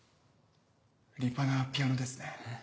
立派なピアノですね。